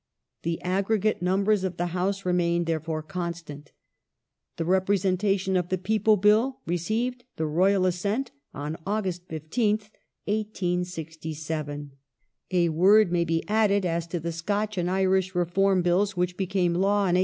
The aggregate numbers of the House remained therefore constant. The Representation of the People Bill received the Royal assent on August 15th, 1867. A word may be added as to the Scotch and Irish Reform Bills which became law in 1868.